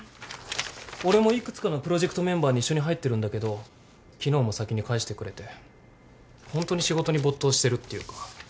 俺も幾つかのプロジェクトメンバーに一緒に入ってるんだけど昨日も先に帰してくれてホントに仕事に没頭してるっていうか。